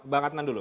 bang hatnan dulu